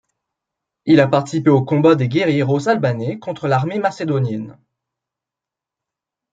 Il a participé aux combats des guérilleros albanais contre l'armée macédonienne.